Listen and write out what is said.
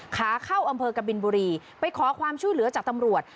ขาเข้าอำเภอกบินบุรีไปขอความช่วยเหลือจากตำรวจ